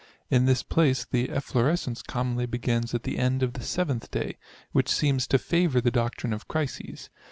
In this place the efflorescence commonly begins at the end of the 7th day, which seems to favour the doctrine of crises.